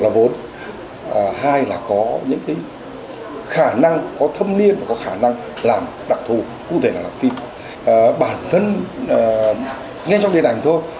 bản thân ngay trong điện ảnh thôi